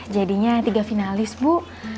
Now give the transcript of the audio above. jadinya tiga finalis bu